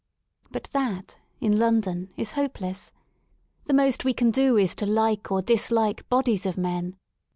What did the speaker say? But that, in London, is hopeless. The most we can do is to like or dislike bodies of men.